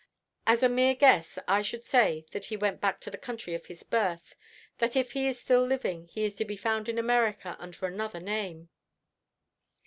As a mere guess, I should say that he went back to the country of his birth that if he is still living, he is to be found in America under another name."